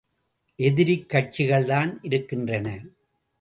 எதிரிக் கட்சிகள்தான் இருக்கின்றன.